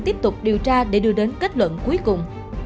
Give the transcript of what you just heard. tiếp tục điều tra để đưa đến kết luận cuối cùng